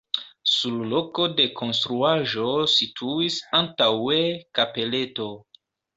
Sur loko de konstruaĵo situis antaŭe kapeleto.